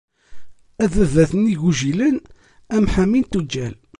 Ababat n yigujilen, amḥami n tuǧǧal.